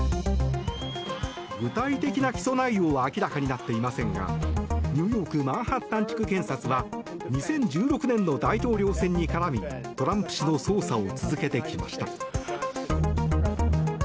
具体的な起訴内容は明らかになっていませんがニューヨーク・マンハッタン地区検察は２０１６年の大統領選に絡みトランプ氏の捜査を続けてきました。